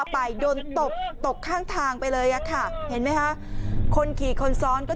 ไปโดนตบตกข้างทางไปเลยอ่ะค่ะเห็นไหมคะคนขี่คนซ้อนก็